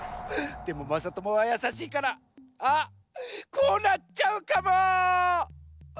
でもまさともはやさしいからあこうなっちゃうかも！